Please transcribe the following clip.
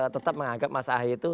tetap menganggap mas ahaye itu